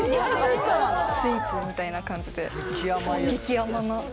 スイーツみたいな感じで激甘な。